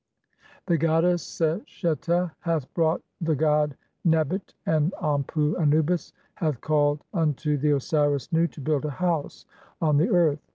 The "goddess Sesheta hath brought the god Nebt, and Anpu (Anubis) "hath called unto the Osiris Nu (4) to build a house on the "earth.